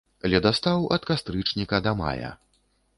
Ледастаў ад кастрычніка да мая.